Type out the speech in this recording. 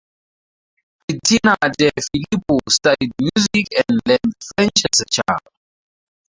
Titina De Filippo studied music and learned French as a child.